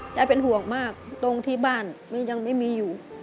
เป็นห่วงมากตรงที่บ้านยังไม่มีอยู่